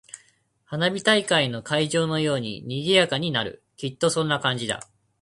花火大会の会場のように賑やかになる。きっとそんな感じだ。